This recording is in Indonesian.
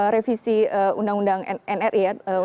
revisi undang undang nri